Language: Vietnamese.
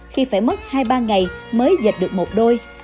khi phải mất hai ba ngày mới dệt được một đôi